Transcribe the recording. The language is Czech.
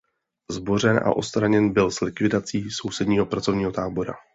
Zbořen a odstraněn byl s likvidací sousedního pracovního tábora.